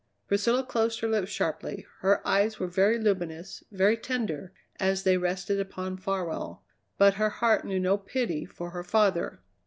Priscilla closed her lips sharply. Her eyes were very luminous, very tender, as they rested upon Farwell, but her heart knew no pity for her father.